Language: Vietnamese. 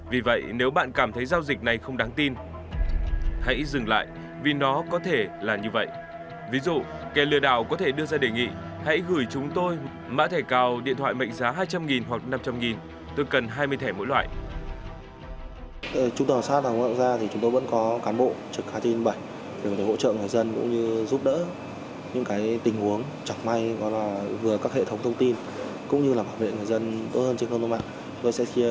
vừa các hệ thống thông tin cũng như bảo vệ người dân tốt hơn trên không thông mạng